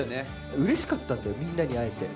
うれしかったんだよ、みんなに会えて。